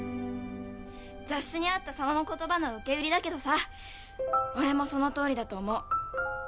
雑誌にあった佐野の言葉の受け売りだけどさ俺もそのとおりだと思う。